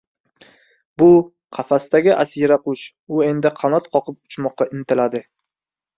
Bu — qafasdagi asira qush, u endi qanot qoqib uchmoqqa intiladi.